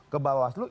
ke bawah seluruh